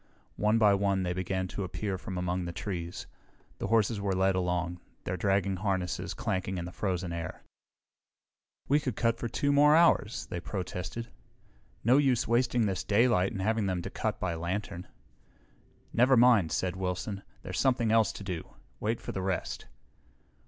One by one they began to appear from among the trees. The horses were led along, their dragging harnesses clanking in the frozen air. "We could cut for 2 more hours," they protested. "No use wasting this daylight and having to cut by lantern." "Never mind," said Wilson. "There's something else to do. Wait for the rest."